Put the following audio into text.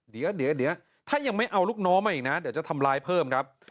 เดี๋ยวถ้ายังไม่เอาลูกน้องมาอีกนะเดี๋ยวจะทำร้ายเพิ่มครับ